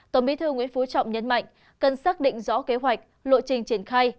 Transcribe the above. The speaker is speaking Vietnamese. tổng bí thư nguyễn phú trọng nhấn mạnh cần xác định rõ kế hoạch lộ trình triển khai